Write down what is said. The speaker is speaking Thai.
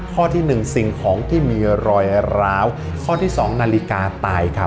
ข้อที่หนึ่งสิ่งของที่มีรอยร้าวข้อที่สองนาฬิกาตายครับ